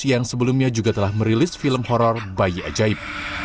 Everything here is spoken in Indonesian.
yang sebelumnya juga telah merilis film horror bayi ajaib